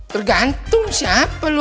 tergantung siapa lo